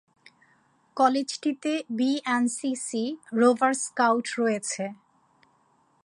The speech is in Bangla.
কলেজটিতে বিএনসিসি, রোভার স্কাউট রয়েছে।